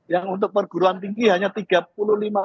yang untuk perguruan tinggi hanya tiga bulan